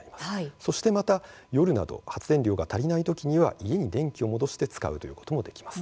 そして夜など発電量が足りないときには家に電気を戻して使うこともできます。